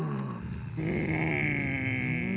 うん。